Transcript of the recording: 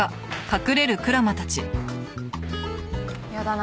嫌だな。